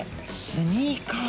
スニーカー？